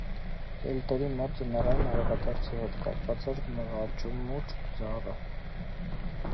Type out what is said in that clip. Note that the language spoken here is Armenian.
Կելտերի մոտ ձմեռային արևադարձի հետ կապված էր մղամուճ ծառը։